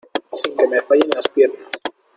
sin que me fallen las piernas.